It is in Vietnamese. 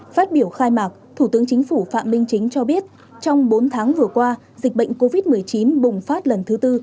phát biểu khai mạc thủ tướng chính phủ phạm minh chính cho biết trong bốn tháng vừa qua dịch bệnh covid một mươi chín bùng phát lần thứ tư